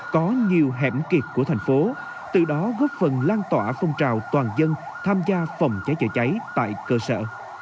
có nhiều hẻm kiệt của thành phố từ đó góp phần lan tỏa phong trào toàn dân tham gia phòng cháy chữa cháy tại cơ sở